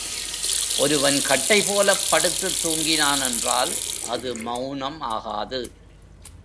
ஒருவன் கட்டை போலப் படுத்துத் தூங்கினான் என்றால் அது மெளனம் ஆகாது.